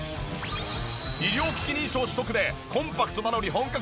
医療機器認証取得でコンパクトなのに本格的。